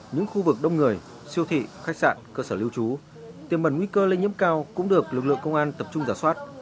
những khu vực đông người siêu thị khách sạn cơ sở lưu trú tiềm mẩn nguy cơ lây nhiễm cao cũng được lực lượng công an tập trung giả soát